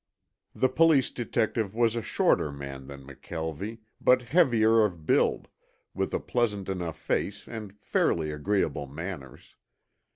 The police detective was a shorter man than McKelvie, but heavier of build, with a pleasant enough face and fairly agreeable manners.